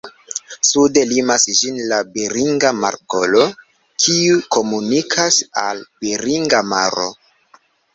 Sude limas ĝin la Beringa Markolo, kiu komunikas al Beringa maro.